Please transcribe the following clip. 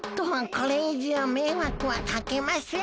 これいじょうめいわくはかけません。